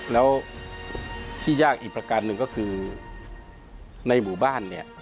แล้วที่ยากอีกประการหนึ่งก็คือในหมู่บ้านเนี่ย